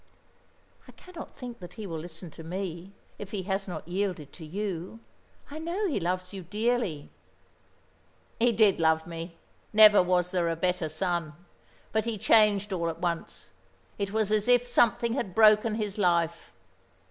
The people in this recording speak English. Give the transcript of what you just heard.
"I cannot think that he will listen to me, if he has not yielded to you; I know he loves you dearly." "He did love me never was there a better son. But he changed all at once. It was as if something had broken his life.